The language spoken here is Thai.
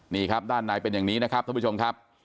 นี่ครับด้านในเป็นอย่างนี้นะครับท่านผู้ชมครับ